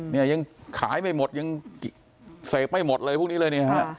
เนี่ยยังขายไม่หมดยังเสพไม่หมดเลยพวกนี้เลยเนี่ยฮะ